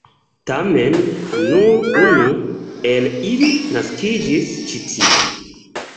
Tamen, nur unu el ili naskiĝis ĉi tie.